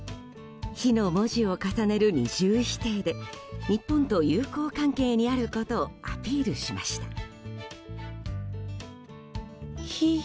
「非」の文字を重ねる二重否定で日本と友好関係にあることをアピールしました。